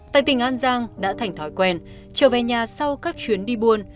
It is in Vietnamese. tài tình an giang đã thành thói quen trở về nhà sau các chuyến đi buôn